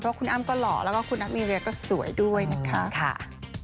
เพราะว่าคุณอัมก็หล่อแล้วก็คุณอัมมีเรียก็สวยด้วยนะครับ